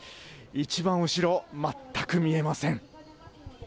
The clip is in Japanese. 一番後ろ、全く見えません。